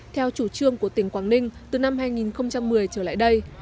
theo chủ trương của tỉnh quảng ninh từ năm hai nghìn một mươi trở lại đây